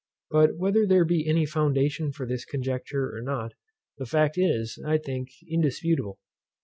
But whether there be any foundation for this conjecture or not, the fact is, I think, indisputable.